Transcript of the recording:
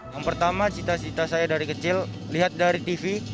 yang pertama cita cita saya dari kecil lihat dari tv